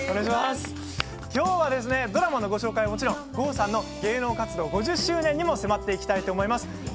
きょうはドラマのご紹介はもちろん郷さんの芸能活動５０周年にも迫っていきます。